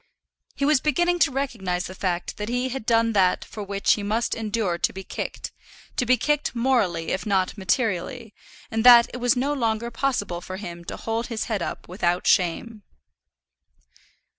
He was beginning to recognize the fact that he had done that for which he must endure to be kicked, to be kicked morally if not materially; and that it was no longer possible for him to hold his head up without shame.